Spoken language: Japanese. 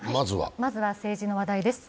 まずは政治の話題です。